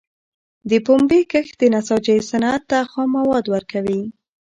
د پنبي کښت د نساجۍ صنعت ته خام مواد ورکوي.